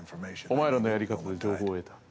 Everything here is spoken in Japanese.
おまえらのやり方で情報を得た。